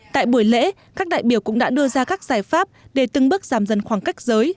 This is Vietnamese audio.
tại buổi lễ các đại biểu cũng đã đưa ra các giải pháp để từng bước giảm dần khoảng cách giới